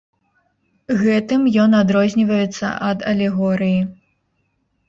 Гэтым ён адрозніваецца ад алегорыі.